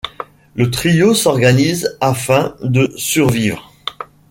Le trio s'organise afin de survivre.